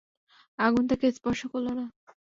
আগুন তাঁকে স্পর্শ করল না।